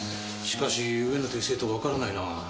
しかし上野って生徒がわからないなぁ。